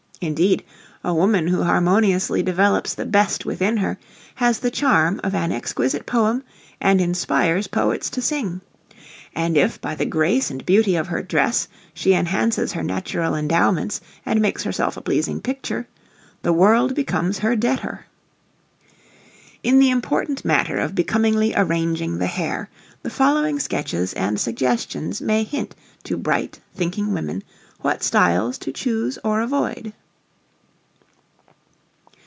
Indeed, a woman who harmoniously develops the best within her has the charm of an exquisite poem and inspires poets to sing; and if by the grace and beauty of her dress she enhances her natural endowments and makes herself a pleasing picture, the world becomes her debtor. In the important matter of becomingly arranging the hair, the following sketches and suggestions may hint to bright, thinking, women what styles to choose or avoid.